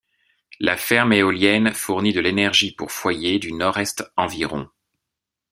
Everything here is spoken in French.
La ferme éolienne fournit de l'énergie pour foyers du nord-est environ.